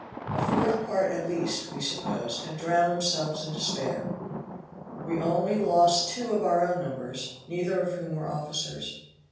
A fourth part at least, we supposed, had drowned themselves in despair. We only lost two of our own numbers, neither of whom were officers.